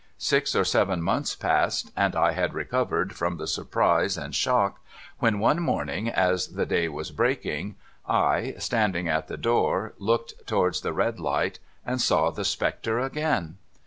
Six or seven months passed, and I had recovered from the surprise and shock, when one morning, as the day was breaking, I, standing at the door, looked towards the red light, and saw the spectre again.'